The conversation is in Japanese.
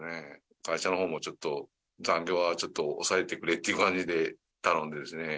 会社のほうも、ちょっと残業は、ちょっと抑えてくれっていう感じ